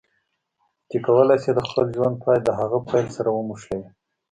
چې کولای شي د خپل ژوند پای د هغه د پیل سره وموښلوي.